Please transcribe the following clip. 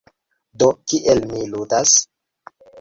Do, kiel mi ludas?